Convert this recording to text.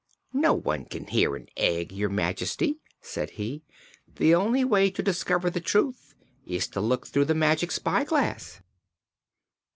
"No one can hear an egg, Your Majesty," said he. "The only way to discover the truth is to look through the Magic Spyglass."